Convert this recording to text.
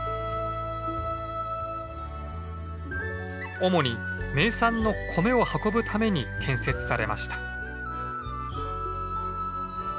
主に名産の米を運ぶために建設されました。